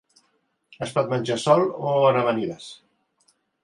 Es pot menjar sol o en amanides.